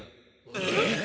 えっ？